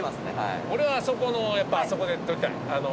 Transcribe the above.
俺はあそこのやっぱあそこで撮りたい。